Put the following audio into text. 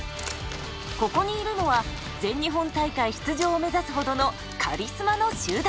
ここにいるのは全日本大会出場を目指すほどのカリスマの集団！